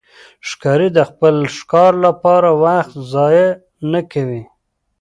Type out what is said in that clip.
ښکاري د خپل ښکار لپاره وخت ضایع نه کوي.